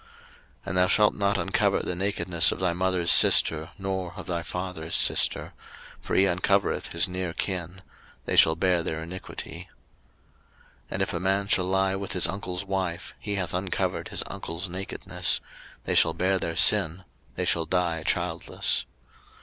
03:020:019 And thou shalt not uncover the nakedness of thy mother's sister, nor of thy father's sister: for he uncovereth his near kin: they shall bear their iniquity. 03:020:020 And if a man shall lie with his uncle's wife, he hath uncovered his uncle's nakedness: they shall bear their sin; they shall die childless.